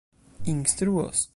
instruos